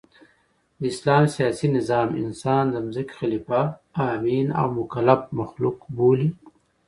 د اسلام سیاسي نظام انسان د مځکي خلیفه، امین او مکلف مخلوق بولي.